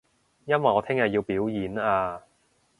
因為我聽日要表演啊